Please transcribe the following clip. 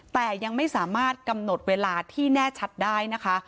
แต่ยังไม่สามารถกำหนดเวลาที่แน่ชัดได้นะคะ